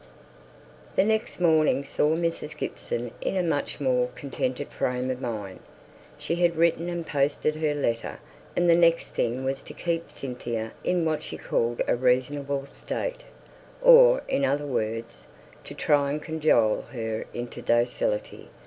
The next morning saw Mrs. Gibson in a much more contented frame of mind. She had written and posted her letter, and the next thing was to keep Cynthia in what she called a reasonable state, or, in other words, to try and cajole her into docility.